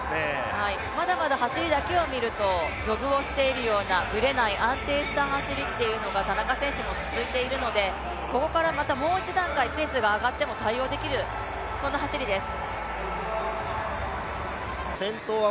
まだまだ走りだけを見るとジョグをしているようなぶれない安定した走りが田中選手も続いているのでここからまたもう一段階ペースが上がっても対応できる、そんな走りです。